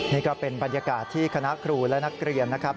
นี่ก็เป็นบรรยากาศที่คณะครูและนักเรียนนะครับ